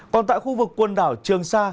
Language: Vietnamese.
còn tại khu vực quần đảo trường sa